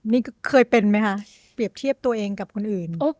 นี่เคยเป็นไหมคะเปรียบเทียบตัวเองกับคนอื่น